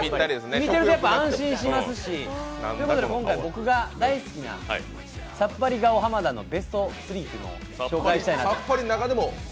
見てると安心しますしということで今回僕が大好きなさっぱり顔・濱田のベスト３を。